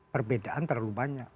perbedaan terlalu banyak